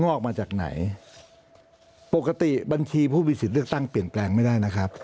ออกมาจากไหนปกติบัญชีผู้มีสิทธิ์เลือกตั้งเปลี่ยนแปลงไม่ได้นะครับ